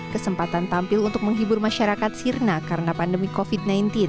kesempatan tampil untuk menghibur masyarakat sirna karena pandemi covid sembilan belas